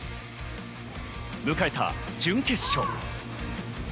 迎えた準決勝。